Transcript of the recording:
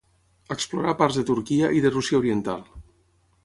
Explorà parts de Turquia i de Rússia oriental.